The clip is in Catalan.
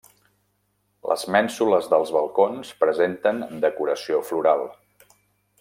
Les mènsules dels balcons presenten decoració floral.